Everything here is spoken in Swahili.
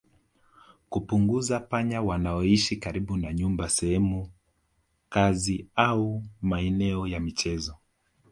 Kupunguza panya wanaoishi karibu na nyumba sehemu kazi au maeneo ya michezo